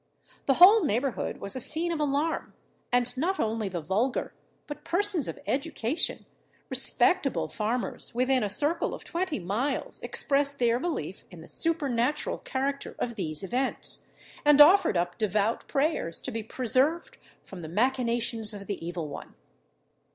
The whole neighbourhood was a scene of alarm; and not only the vulgar, but persons of education, respectable farmers, within a circle of twenty miles, expressed their belief in the supernatural character of these events, and offered up devout prayers to be preserved from the machinations of the Evil One.